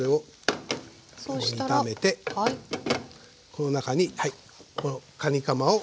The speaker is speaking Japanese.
この中にこのかにかまを。